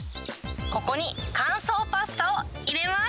ここに乾燥パスタを入れます。